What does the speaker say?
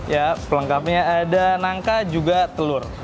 ya pelengkapnya ada nangka juga telur